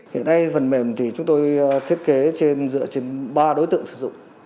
hiện nay phần mềm thì chúng tôi thiết kế trên dựa trên ba đối tượng sử dụng